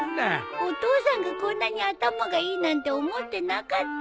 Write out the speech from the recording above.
お父さんがこんなに頭がいいなんて思ってなかったよ。